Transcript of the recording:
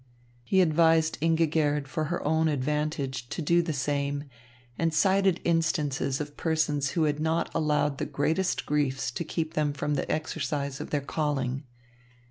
He advised Ingigerd for her own advantage to do the same, and cited instances of persons who had not allowed the greatest griefs to keep them from the exercise of their calling.